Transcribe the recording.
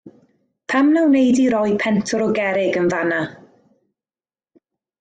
Pam na wnei di roi pentwr o gerrig yn fan 'na?